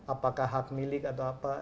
apakah hak milik atau apa